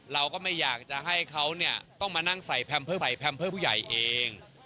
เราก็ไม่อยากจะให้เขาเนี่ยต้องมานั่งใส่แมมเพอร์ผู้ใหญ่เอง